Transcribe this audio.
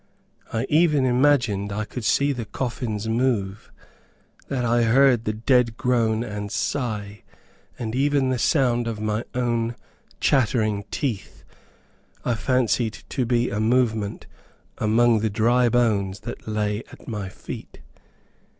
I even imagined I could see the coffins move that I heard the dead groan and sigh and even the sound of my own chattering teeth, I fancied to be a movement among the dry bones that lay at my feet.